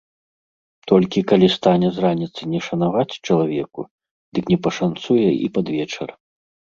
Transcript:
Толькі калі стане з раніцы не шанцаваць чалавеку, дык не пашанцуе і пад вечар.